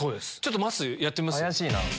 まっすーやってみます？